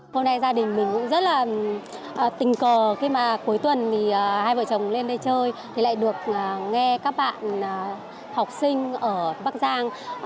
hôm nay gia đình mình cũng rất là tình cờ khi mà cuối tuần thì hai vợ chồng lên đây chơi thì lại được nghe các bạn học sinh ở bắc giang